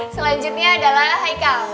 selanjutnya adalah haikal